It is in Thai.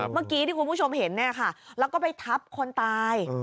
เมื่อกี้ที่คุณผู้ชมเห็นเนี่ยค่ะแล้วก็ไปทับคนตาย